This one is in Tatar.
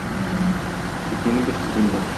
Тик минем бер сүзем бар.